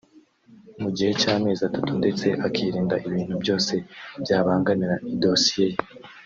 mu gihe cy’amezi atatu ndetse akirinda ibintu byose byabangamira idosiye ye